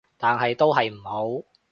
但係都係唔好